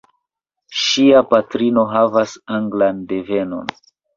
Ŝia patrino havas anglan devenon.